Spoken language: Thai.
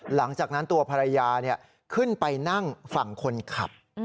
หลังจากนั้นตัวภรรยาขึ้นไปนั่งฝั่งคนขับ